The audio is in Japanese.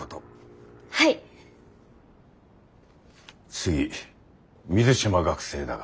次水島学生だが。